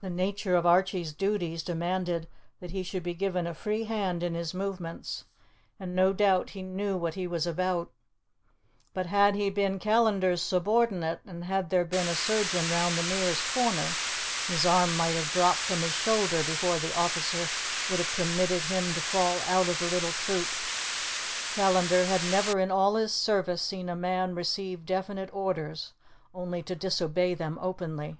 The nature of Archie's duties demanded that he should be given a free hand in his movements, and no doubt he knew what he was about. But had he been Callandar's subordinate, and had there been a surgeon round the nearest corner, his arm might have dropped from his shoulder before the officer would have permitted him to fall out of the little troop. Callandar had never in all his service seen a man receive definite orders only to disobey them openly.